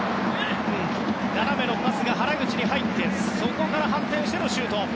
斜めのパスが原口に入ってそこから反転してのシュート。